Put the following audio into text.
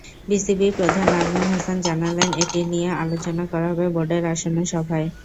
বিসিবি-প্রধান নাজমুল হাসান জানালেন, এটি নিয়ে আলোচনা করা হবে বোর্ডের আসন্ন সভায়।